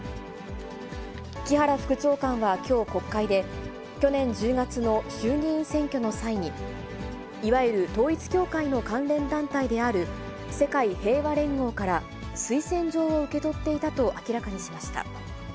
木原副長官はきょう国会で、去年１０月の衆議院選挙の際に、いわゆる統一教会の関連団体である世界平和連合から、推薦状を受け取っていたと明らかにしました。